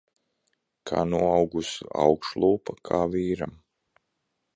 Kā noaugusi augšlūpa. Kā vīram.